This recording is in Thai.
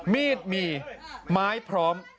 มีดมีไม้พร้อม